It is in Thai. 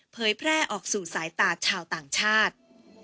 แพร่ออกสู่สายตาชาวต่างชาติ